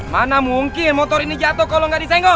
mana mungkin motor ini jatuh kalo gak disenggol